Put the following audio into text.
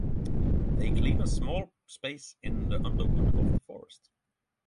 They clear a small space in the underwood of the forest.